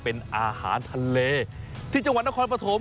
เป็นอาหารทะเลที่จังหวัดนครปฐม